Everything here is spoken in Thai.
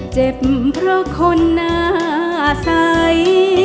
เจ็บเพราะคนหน้าใส